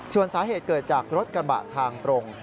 ส่วนสาเหตุเกิดจากรถกระบะทางตรง